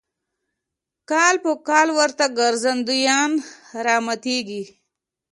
کال په کال ورته ګرځندویان راماتېږي.